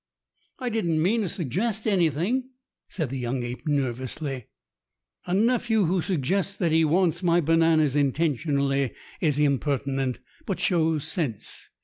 "I didn't mean to suggest anything," said the young 1 ape nervously. "A nephew who suggests that he wants my bananas intentionally is impertinent but shows sense.